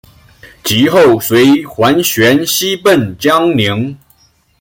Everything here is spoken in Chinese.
及后随桓玄西奔江陵。